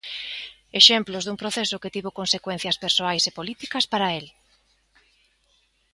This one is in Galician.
Exemplos dun proceso que tivo consecuencias persoais e políticas para el.